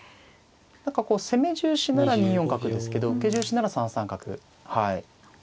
何かこう攻め重視なら２四角ですけど受け重視なら３三角はい。